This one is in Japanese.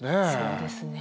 そうですね。